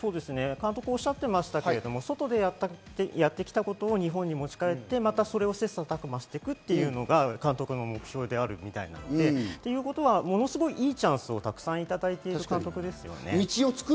監督もおっしゃっていましたが、外でやったことを日本に持ち帰って、切磋琢磨していくというのが監督の手法であるようなので、ものすごくいいチャンスをたくさんいただいている監督ですよ。